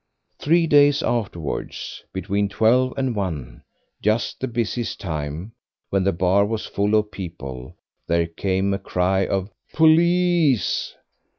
Three days afterwards, between twelve and one, just the busiest time, when the bar was full of people, there came a cry of "Police!"